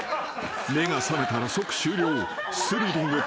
［目が覚めたら即終了］